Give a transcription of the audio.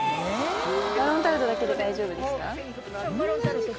マロンタルトだけで大丈夫ですか？